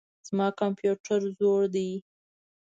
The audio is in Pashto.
زما کمپيوټر زوړ دئ.